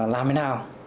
làm thế nào